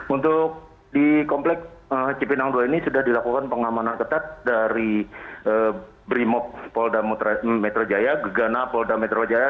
untuk di komplek cipinang dua ini sudah dilakukan pengamanan ketat dari brimob polda metro jaya gegana polda metro jaya